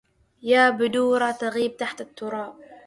يا بدورا تغيب تحت التراب